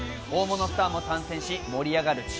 大物スターも参戦し盛り上がる